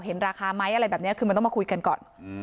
ราคาไหมอะไรแบบนี้คือมันต้องมาคุยกันก่อน